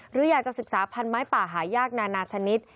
หรืออยากจะศึกษาพันธ์ไม้ป่าหายากนานาชนิด